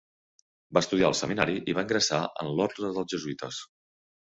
Va estudiar al seminari i va ingressar en l'Orde dels Jesuïtes.